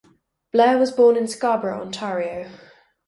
Blair was born in Scarborough, Ontario.